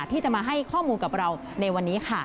ที่จะมาให้ข้อมูลกับเราในวันนี้ค่ะ